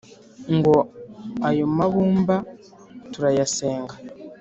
ngo ayo mabumba turayasenga